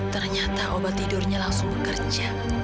ternyata obat tidurnya langsung bekerja